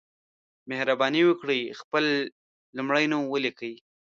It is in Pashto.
مهرباني وکړئ خپل لمړی نوم ولیکئ